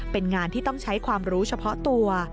เป็นงานที่ต้องใช้ความรู้เฉพาะตัว